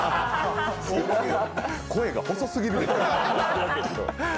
声が細すぎる。